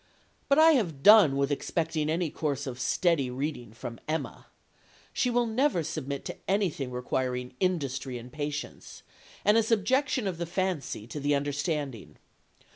But I have done with expecting any course of steady reading from Emma. She will never submit to anything requiring industry and patience, and a subjection of the fancy to the understanding.